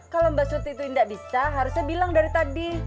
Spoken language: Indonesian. kalau mbak suti itu tidak bisa harusnya bilang dari tadi